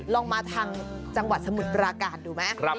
ลองมาทางจังหวัดสมุนตรากาศดูมั้ยพระครับ